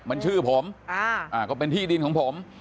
มันชื่อผมก็เป็นที่ดินของผม